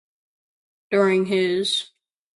During his.